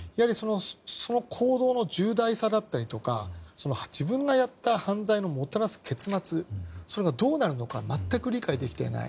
その行動の重大さだったりとか自分がやった犯罪のもたらす結末がそれがどうなるのか全く理解できていない。